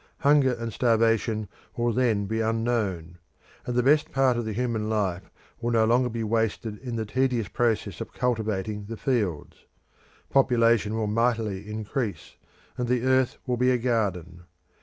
Hunger and starvation will then be unknown, and the best part of the human life will no longer be wasted in the tedious process of cultivating the fields. Population will mightily increase, and the earth will be a garden.